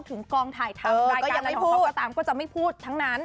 ถึงกองถ่ายทำรายการอะไรของเขาก็ตามก็จะไม่พูดทั้งนั้น